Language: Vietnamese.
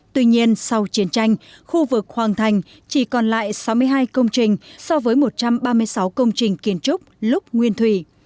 tuy nhiên sau chiến tranh khu vực hoàng thành chỉ còn lại sáu mươi hai công trình so với một trăm ba mươi sáu công trình kiến trúc lúc nguyên thủy